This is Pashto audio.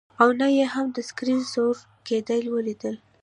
او نه یې هم د سکرین سور کیدل ولیدل